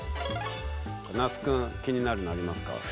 那須君気になるのありますか？